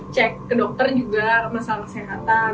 cek ke dokter juga masalah kesehatan